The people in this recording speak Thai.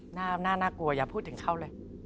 น่ากลัวอย่าพูดถึงเขาเลย